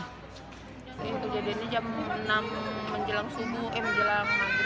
kejadiannya jam enam menjelang maghrib